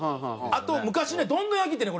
あと昔ねどんどん焼ってね